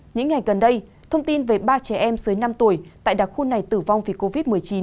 những ngày gần đây thông tin về ba trẻ em dưới năm tuổi tại đặc khu này tử vong vì covid một mươi chín